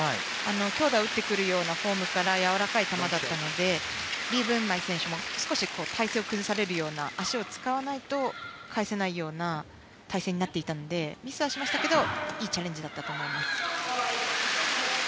強打を打ってくるようなフォームからやわらかい球だったのでリ・ブンマイ選手も少し体勢を崩されるような足を使わないと返せないような体勢になっていたのでミスはしましたが、いいチャレンジだったと思います。